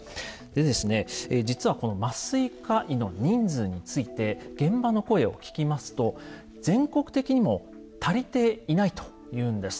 で実はこの麻酔科医の人数について現場の声を聞きますと全国的にも足りていないというんです。